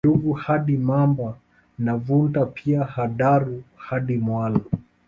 Ndungu hadi Mamba na Vunta pia Hedaru hadi Mwala